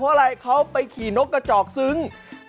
เพราะอะไรเขาไปขี่นกกระจอกซึ้ง